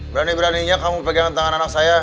berani beraninya kamu pegangan tangan anak saya